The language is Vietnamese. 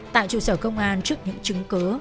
tại trụ sở công an trước những chứng cứ